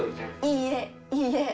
いいえ、いいえ。